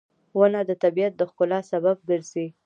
• ونه د طبیعت د ښکلا سبب ګرځي.